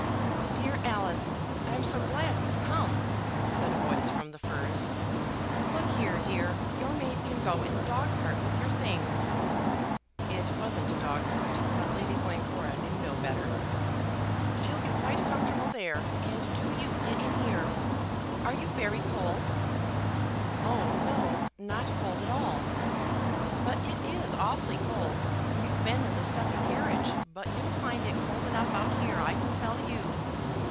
"Dear Alice, I'm so glad you've come," said a voice from the furs. "Look here, dear; your maid can go in the dog cart with your things," it wasn't a dog cart, but Lady Glencora knew no better; "she'll be quite comfortable there; and do you get in here. Are you very cold?" "Oh, no; not cold at all." "But it is awfully cold. You've been in the stuffy carriage, but you'll find it cold enough out here, I can tell you."